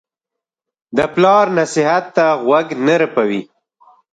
د پلار نصیحت ته غوږ نه رپوي.